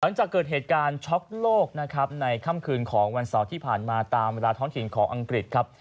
หลังจากเกิดเหตุการณ์ช็อกโลกนะครับในค่ำคืนของวันเสาร์ที่ผ่านมาตามเวลาท้องถิ่นของอังกฤษครับ